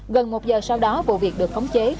gần một giờ sau đó vụ việc được khống chế